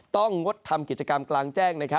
งดทำกิจกรรมกลางแจ้ง